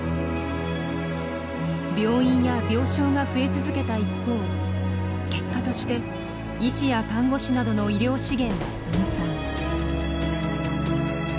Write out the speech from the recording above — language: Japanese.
病院や病床が増え続けた一方結果として医師や看護師などの医療資源は分散。